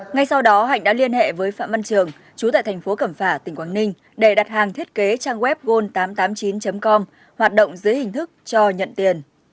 ngay sau đó hạnh đã liên hệ với phạm văn trường chú tại thành phố cẩm phả tỉnh quảng ninh để đặt hàng thiết kế trang web gold tám trăm tám mươi chín com hoạt động dưới hình thức cho nhận tiền